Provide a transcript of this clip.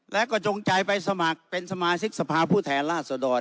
และก็จงการมาไปสมัครเป็นสมาสิทธิ์สภาพผู้แทนราชดร